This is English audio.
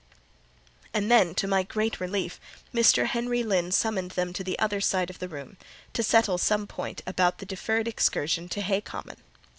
And then, to my great relief, Mr. Henry Lynn summoned them to the other side of the room, to settle some point about the deferred excursion to Hay Common.